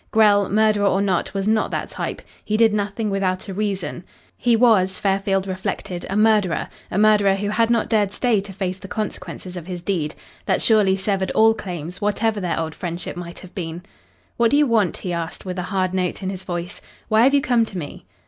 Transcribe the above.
Grell, murderer or not, was not that type. He did nothing without a reason. He was, Fairfield reflected, a murderer a murderer who had not dared stay to face the consequences of his deed. That surely severed all claims, whatever their old friendship might have been. "What do you want?" he asked, with a hard note in his voice. "Why have you come to me?"